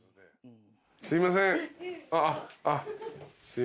すいませんあっ。